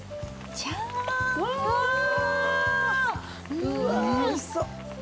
うわおいしそう。